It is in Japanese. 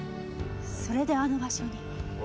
それであの場所に。